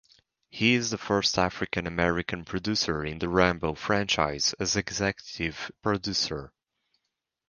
He is the first African American producer in the Rambo franchise as executive producer.